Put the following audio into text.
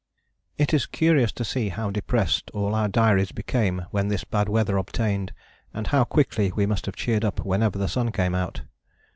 It is curious to see how depressed all our diaries become when this bad weather obtained, and how quickly we must have cheered up whenever the sun came out.